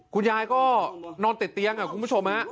คุณยายก็นอนติดเตียงคุณผู้ชมฮะ